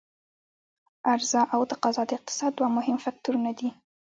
عرضا او تقاضا د اقتصاد دوه مهم فکتورونه دي.